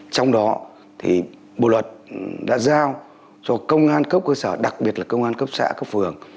trong đó thì bộ luật đã giao cho công an cấp cơ sở đặc biệt là công an cấp xã cấp phường